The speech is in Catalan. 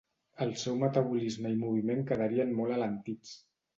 El seu metabolisme i moviment quedarien molt alentits.